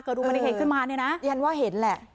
เกิดอุปนิเขตขึ้นมาน่ะนะฉันว่าเห็นแหละเออ